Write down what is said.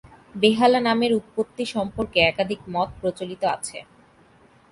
বেহালা নামের উৎপত্তি সম্পর্কে একাধিক মত প্রচলিত আছে।